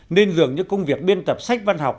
nên dường như công việc biên tập sách văn học